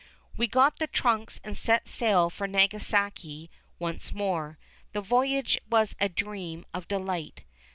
We got the trunks and set sail for Nagasaki once more. The voyage was a dream of delight.